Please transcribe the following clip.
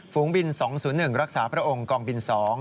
ฝูงบิน๒๐๑รักษาพระองค์กองบิน๒